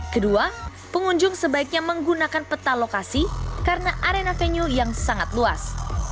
kedua pengunjung sebaiknya menggunakan peta lokasi karena arena venue yang sangat luas